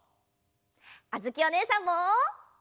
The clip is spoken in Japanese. あづきおねえさんも！